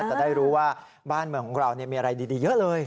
จะได้รู้ว่าบ้านเมืองของเรามีอะไรดีเยอะเลย